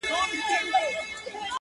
لکه منصور زه دي په خپل نامه بللی یمه!